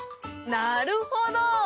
なるほど！